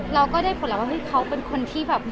เราก็ได้ผลละว่าว่าเขาเป็นคนที่แบบ